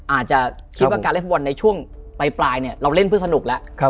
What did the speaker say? อาจจะคิดว่าการเล่นฟุตบอลในช่วงปลายเนี่ยเราเล่นเพื่อสนุกแล้ว